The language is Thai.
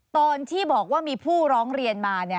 ตอนที่บอกว่ามีผู้ร้องเรียนมา